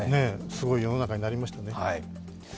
すごい世の中になりましたね。